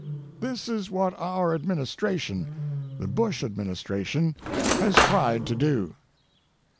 This is what our administration, the Bush administration, has tried to do.